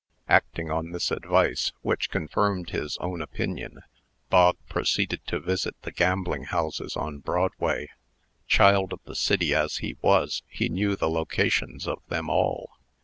Acting on this advice which confirmed his own opinion Bog proceeded to visit the gambling houses on Broadway. Child of the city as he was, he knew the locations of them all.